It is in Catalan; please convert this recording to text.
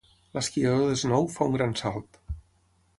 L'esquiador de snow fa un gran salt.